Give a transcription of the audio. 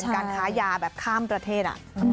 การค้ายาแบบข้ามประเทศ